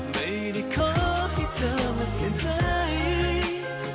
ไม่ได้ขอให้เธอมั่นใจ